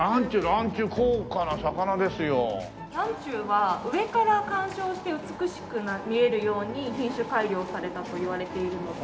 ランチュウは上から観賞して美しく見えるように品種改良されたといわれているので。